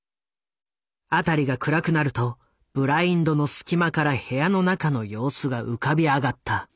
辺りが暗くなるとブラインドの隙間から部屋の中の様子が浮かび上がった。